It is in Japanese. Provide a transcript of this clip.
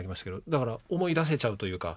だから思い出せちゃうというか。